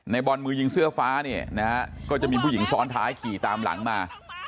บอลมือยิงเสื้อฟ้าเนี่ยนะฮะก็จะมีผู้หญิงซ้อนท้ายขี่ตามหลังมา